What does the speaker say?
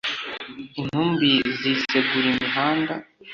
intumbi zisegura imihanda